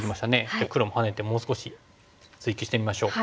じゃあ黒もハネてもう少し追及してみましょう。